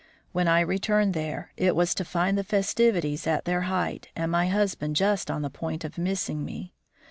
When I returned there, it was to find the festivities at their height, and my husband just on the point of missing me.